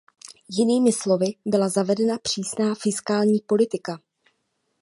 Jinými slovy, byla zavedena přísná fiskální politika.